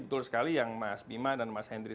betul sekali yang mas bima dan mas henry